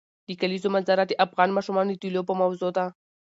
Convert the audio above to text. د کلیزو منظره د افغان ماشومانو د لوبو موضوع ده.